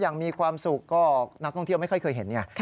อย่างมีความสุขก็นักท่องเที่ยวไม่ค่อยเคยเห็นไง